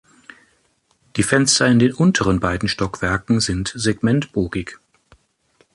Die Fenster in den unteren beiden Stockwerken sind segmentbogig.